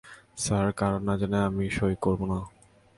Sir, কারণ না জেনে আমি সঁই করব না।